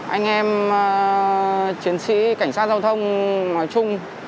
anh em chiến sĩ cảnh sát giao thông nói chung